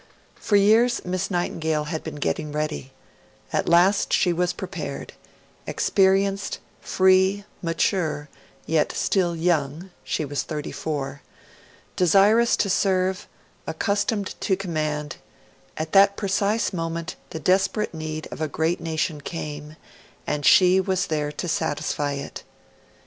For years Miss Nightingale had been getting ready; at last she was prepared experienced, free, mature, yet still young (she was thirty four) desirous to serve, accustomed to command: at that precise moment the desperate need of a great nation came, and she was there to satisfy it.